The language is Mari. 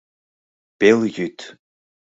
Пелйӱд.